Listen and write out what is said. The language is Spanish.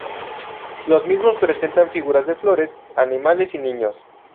Los mismos presentan figuras de flores, animales y niños.